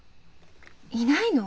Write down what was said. いないの？